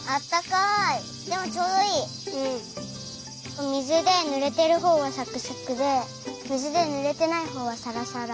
お水でぬれてるほうがサクサクで水でぬれてないほうはサラサラ。